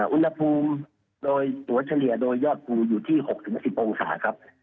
อุณหภูมิโดยตัวเฉลี่ยโดยยอดภูอยู่ที่๖๑๐องศาครับ